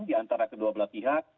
di antara kedua belah pihak